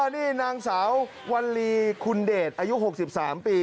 นี่นางสาววัลลีคุณเดชอายุ๖๓ปี